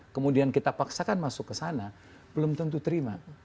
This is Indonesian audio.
kemudian kita paksakan masuk ke sana belum tentu terima